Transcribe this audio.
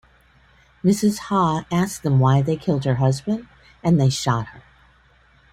Mrs. Ha asked them why they killed her husband and they shot her.